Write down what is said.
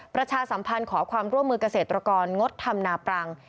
ประชาสัมพันธ์ขอความร่วมมือเกษตรกรงดทำนาปรัง